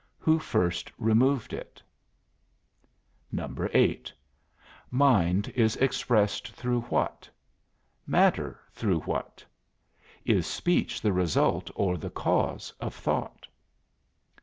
Who first removed it? 8. Mind is expressed through what? Matter through what? Is speech the result or the cause of thought?